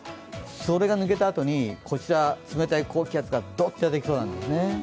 それが抜けたあとに、冷たい高気圧がドッとやってきそうなんです。